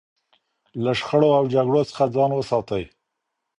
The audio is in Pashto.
له شخړو او جګړو څخه ځان وساتئ.